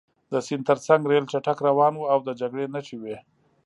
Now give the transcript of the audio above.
د سیند ترڅنګ ریل چټک روان و او د جګړې نښې وې